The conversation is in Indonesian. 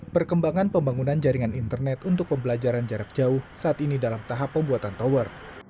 perkembangan pembangunan jaringan internet untuk pembelajaran jarak jauh saat ini dalam tahap pembuatan tower